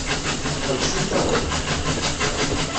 Ḥebsent awal.